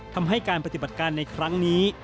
ทำให้การปฏิบัติการในครั้งนี้